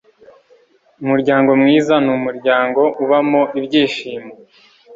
Umuryango mwiza numuryango ubamo ibyishimo